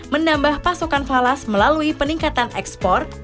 menambah pasokan falas melalui peningkatan ekspor